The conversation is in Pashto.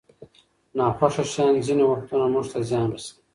ناخوښه شیان ځینې وختونه موږ ته زیان رسوي.